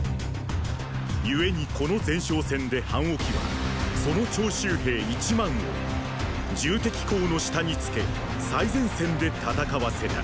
故にこの前哨戦で樊於期はその徴集兵一万を戎公の下につけ最前線で戦わせた。